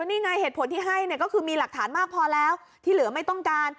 นี่ไงเหตุผลที่ให้เนี่ยก็คือมีหลักฐานมากพอแล้วที่เหลือไม่ต้องการ